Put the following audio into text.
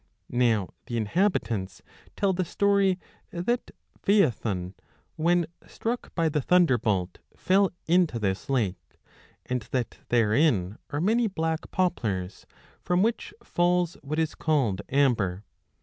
Now the inhabitants tell the story that Phae thon, when struck by the thunderbolt, fell into this lake ; and that therein are many black poplars, from which falls 5 what is called amber.